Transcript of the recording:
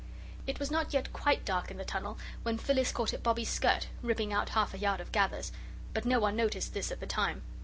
It was not yet quite dark in the tunnel when Phyllis caught at Bobbie's skirt, ripping out half a yard of gathers, but no one noticed this at the time.